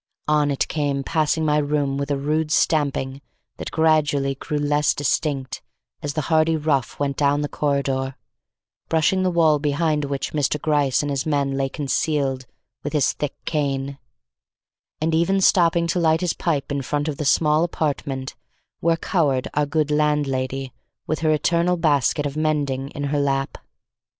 On it came, passing my room with a rude stamping that gradually grew less distinct as the hardy rough went down the corridor, brushing the wall behind which Mr. Gryce and his men lay concealed with his thick cane, and even stopping to light his pipe in front of the small apartment where cowered our good landlady with her eternal basket of mending in her lap.